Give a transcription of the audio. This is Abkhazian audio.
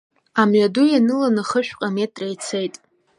Амҩаду ианыланы хышәҟа метра ицеит.